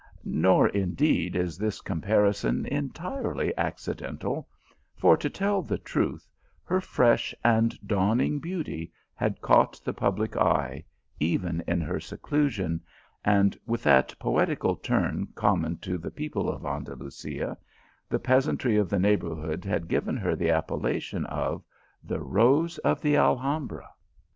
Nor, indeed, is this comparison entirely accidental, for to tell the truth her fresh and dawn ing beauty had caught the public eye, even in her seclusion, and, with that poetical turn common to the people of Andalusia, the peasantry of the neigh bourhood had given her the appellation of " The Rose of the Alhambra."